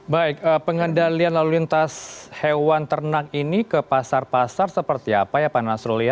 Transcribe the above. baik pengendalian lalu lintas hewan ternak ini ke pasar pasar seperti apa ya pak nasrul ya